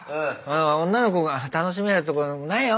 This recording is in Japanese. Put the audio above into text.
女の子が楽しめるとこないよ？」。